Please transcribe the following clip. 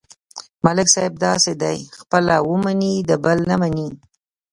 ملک صاحب داسې دی: خپله ومني، د بل نه مني.